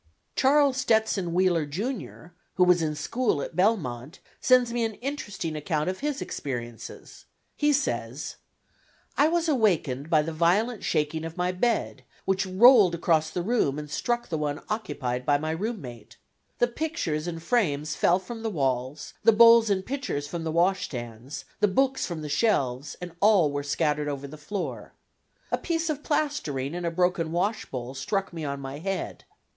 Charles Stetson Wheeler, Jr., who was in school at Belmont, sends me an interesting account of his experiences. He says: I was awakened by the violent shaking of my bed, which rolled across the room and struck the one occupied by my roommate. The pictures and frames fell from the walls, the bowls and pitchers from the washstands, the books from the shelves, and all were scattered over the floor. A piece of plastering and a broken wash bowl struck me on my head.